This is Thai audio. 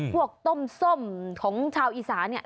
ต้มส้มของชาวอีสาน